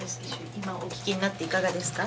今お聞きになっていかがですか？